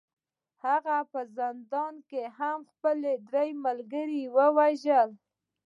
هغه په زندان کې هم خپل درې ملګري وژلي وو